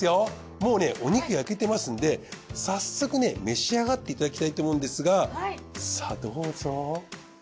もうねお肉焼けてますんで早速召し上がっていただきたいと思うんですがさあどうぞ。